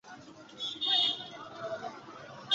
সে উত্তরটিও অনিশ্চয়তা নীতির মতোই অদ্ভুত!